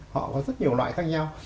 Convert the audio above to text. họ có rất nhiều loại khác nhau